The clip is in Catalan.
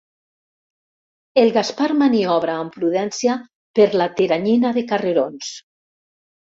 El Gaspar maniobra amb prudència per la teranyina de carrerons.